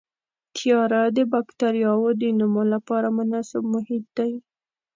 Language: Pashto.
تیاره د بکټریاوو د نمو لپاره مناسب محیط دی.